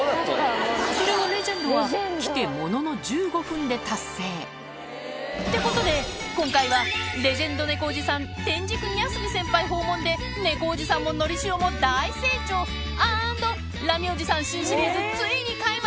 それを、レジェンドは来てものの１５分で達成。ってことで、今回はレジェンド猫おじさん、天竺にゃすび先輩訪問で、猫おじさんものりしおも大成長、アーンド、ラミおじさん新シリーズ、ついに開幕。